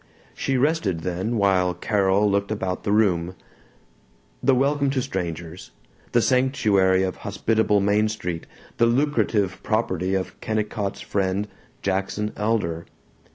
She rested then, while Carol looked about the room the welcome to strangers, the sanctuary of hospitable Main Street, the lucrative property of Kennicott's friend, Jackson Elder.